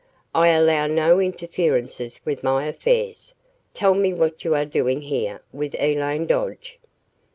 I allow no interferences with my affairs. Tell me what you are doing here with Elaine Dodge."